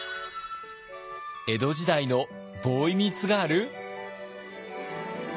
江戸時代のボーイミーツガール？